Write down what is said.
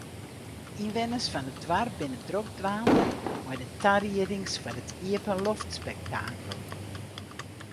De ynwenners fan it doarp binne drok dwaande mei de tariedings foar it iepenloftspektakel.